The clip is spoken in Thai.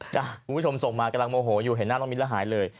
คุณผู้ชมส่งมากำลังโมโหอยู่เห็นหน้าน้องมิ้นแล้วหายเลย